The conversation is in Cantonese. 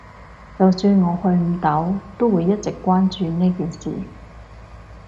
就算我去唔到，都會一直關注呢件事